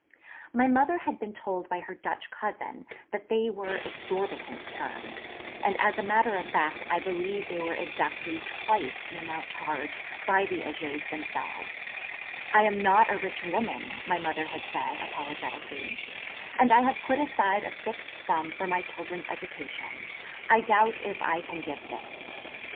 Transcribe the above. My mother had been told by her Dutch cousin that they were exorbitant terms; and, as a matter of fact, I believe they were exactly twice the amount charged by the Hegers themselves: 'I am not a rich woman,' my mother had said, apologetically, 'and I have put aside a fixed sum for my children's education; I doubt if I can give this.'